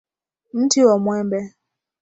Mti wa mwembe.